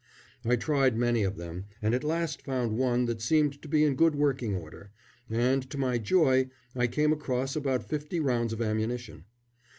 I tried many of them, and at last found one that seemed to be in good working order, and to my joy I came across about fifty rounds of ammunition.